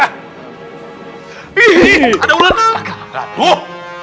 ih ada ular tuh